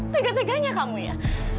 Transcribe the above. tiga tiganya kamu ya